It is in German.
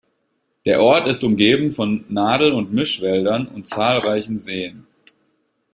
Der Ort ist umgeben von Nadel- und Mischwäldern und zahlreichen Seen.